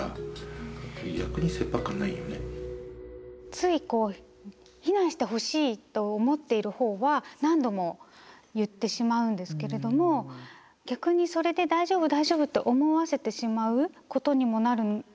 つい避難してほしいと思っている方は何度も言ってしまうんですけれども逆にそれで「大丈夫大丈夫！」って思わせてしまうことにもなるっていうのは思いつかなかったですね